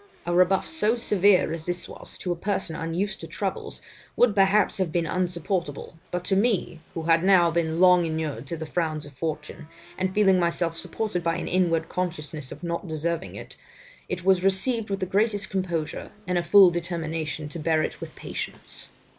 A rebuff so severe as this was, to a person unused to troubles, would perhaps have been insupportable, but to me, who had now been long inured to the frowns of fortune, and feeling myself supported by an inward consciousness of not deserving it, it was received with the greatest composure, and a full determination to bear it with patience.